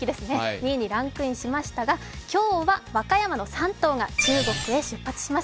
２位にランクインしましたが今日は和歌山の３頭が中国へ出発します。